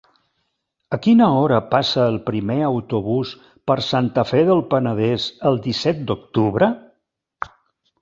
A quina hora passa el primer autobús per Santa Fe del Penedès el disset d'octubre?